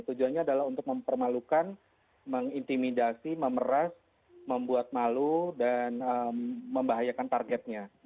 tujuannya adalah untuk mempermalukan mengintimidasi memeras membuat malu dan membahayakan targetnya